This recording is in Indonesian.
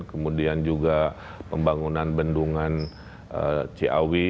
kemudian juga pembangunan bendungan ciawi